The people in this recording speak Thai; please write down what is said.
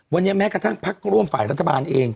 วันนี้แม้กระทั่งพักร่วมฝ่ายรัฐบาลเอง